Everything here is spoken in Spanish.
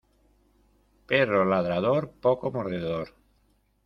Perro ladrador poco mordedor.